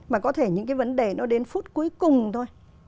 mà có thể những cái vấn đề nó đến phút cuối cùng thôi